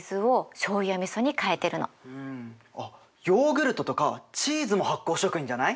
あっヨーグルトとかチーズも発酵食品じゃない？